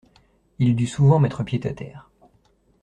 Il dut souvent mettre pied à terre.